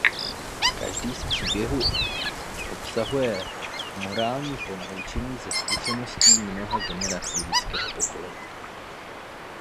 Každý z příběhu obsahuje morální ponaučení ze zkušeností mnoha generací lidského pokolení.